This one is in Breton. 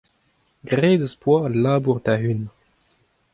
Graet az poa al labour da-unan.